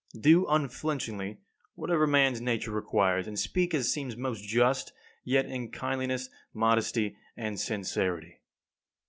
Do unflinchingly whatever man's nature requires, and speak as seems most just, yet in kindliness, modesty, and sincerity.